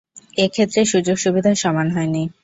এ ক্ষেত্রে সুযোগ সুবিধা সমান হয়নি।